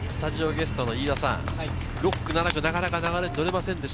飯田さん、６区、７区なかなか流れに乗れませんでした。